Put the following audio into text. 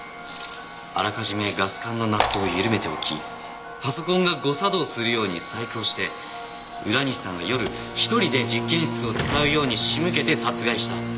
あらかじめガス管のナットを緩めておきパソコンが誤作動するように細工をして浦西さんが夜一人で実験室を使うように仕向けて殺害した。